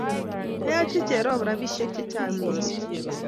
Ayache Cherop rapisyek chechang' missing'.